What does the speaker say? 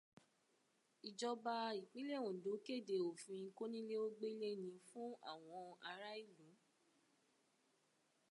Ìjọba ìpínlẹ̀ Òǹdó kéde òfin kónílé-ó-gbélé ní fún àwọn ará ìlú.